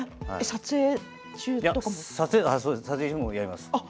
撮影中もやります。